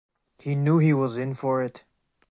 He knew he was in for it.